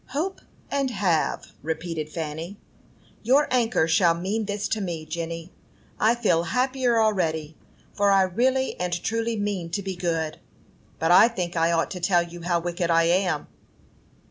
"Hope and have," repeated Fanny. "Your anchor shall mean this to me. Jenny, I feel happier already, for I really and truly mean to be good. But I think I ought to tell you how wicked I am."